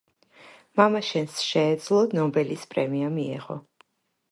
მამაშენს შეეძლო, ნობელის პრემია მიეღო.